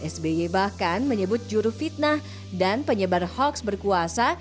sby bahkan menyebut juru fitnah dan penyebar hoax berkuasa